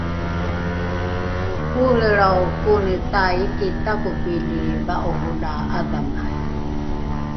poelrelrao kone taiki takopili va’oro la ’adhamai